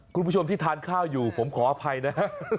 คุณผู้ชมที่ทานข้าวอยู่ผมขออภัยนะ